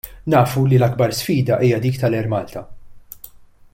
Nafu li l-akbar sfida hija dik tal-Air Malta.